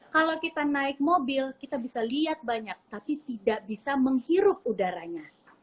kalau kita naik mobil kita bisa lihat banyak tapi tidak bisa menghirup udaranya